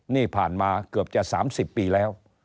นี่ผ่านมาเกือบจะ๓๐ปีแล้ว